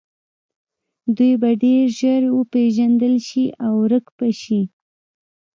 دوی به ډیر ژر وپیژندل شي او ورک به شي